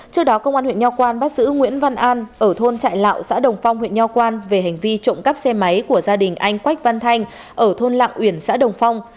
trước đó công an huyện nho quan bắt giữ nguyễn văn an ở thôn trại lạo xã đồng phong huyện nho quan về hành vi trộm cắp xe máy của gia đình anh quách văn thanh ở thôn lạng uyển xã đồng phong